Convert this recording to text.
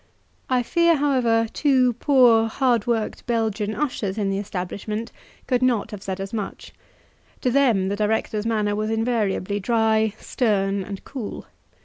I fear, however, two poor, hard worked Belgian ushers in the establishment could not have said as much; to them the director's manner was invariably dry, stern, and cool.